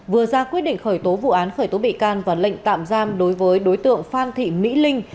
vừa ra quyết định khởi tố vụ án khởi tố bị can và lệnh tạm giam đối với đối tượng phan thị mỹ linh